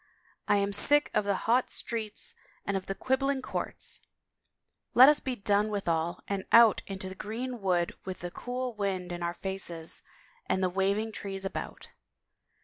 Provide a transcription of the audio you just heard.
I am sick of the hot streets and of 197 THE FAVOR OF KINGS quibbling courts ; let us be done with all and out into the green wood with the cool wind in our faces and the wav ing trees about."